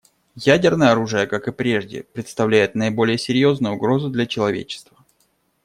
Ядерное оружие, как и прежде, представляет наиболее серьезную угрозу для человечества.